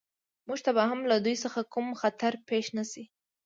موږ ته به هم له دوی څخه کوم خطر پېښ نه شي